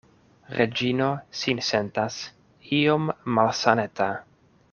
Reĝino sin sentas iom malsaneta.